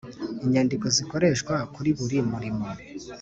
Inyandiko zikoreshwa kuri buri murimo